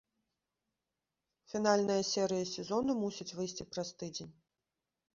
Фінальная серыя сезону мусіць выйсці праз тыдзень.